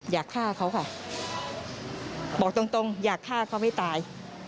อยากฆ่าเขาค่ะบอกตรงตรงอยากฆ่าเขาให้ตาย